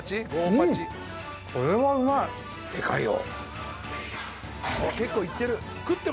でかいよ。